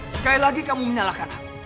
sekali lagi kamu menyalahkan